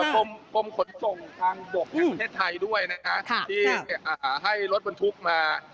กรมกลมขนส่งทางบกแทนเทศไทยด้วยนะคะค่ะที่อ่าให้รถบรรทุกมา